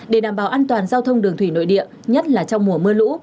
để đảm bảo an toàn giao thông đường thủy nội địa nhất là trong mùa mưa lũ